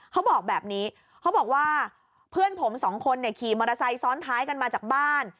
เขาบอกแบบนี้เขาบอกว่าเพื่อนผมสองคนเนี่ยขี่มอเตอร์ไซค์ซ้อนท้ายกันมาจากบ้าน